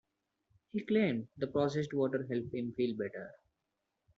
He claimed the processed water helped him feel better.